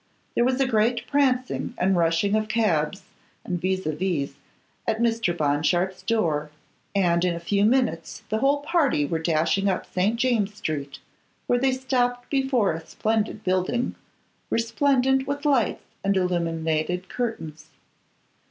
There was a great prancing and rushing of cabs and vis à vis at Mr. Bond Sharpe's door, and in a few minutes the whole party were dashing up St. James' street, where they stopped before a splendid building, resplendent with lights and illuminated curtains.